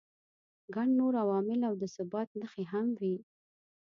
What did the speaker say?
ګڼ نور عوامل او د ثبات نښې هم وي.